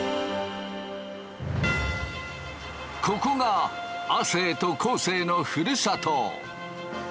ここが亜生と昴生のふるさと。